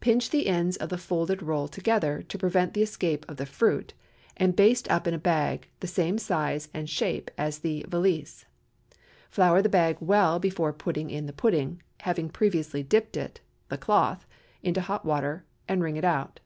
Pinch the ends of the folded roll together, to prevent the escape of the fruit, and baste up in a bag, the same size and shape as the "valise." Flour the bag well before putting in the pudding, having previously dipped it—the cloth—into hot water, and wring it out.